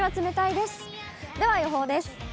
では予報です。